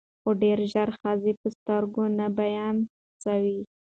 خو ډېر ژر ښځه په سترګو نابینا سوه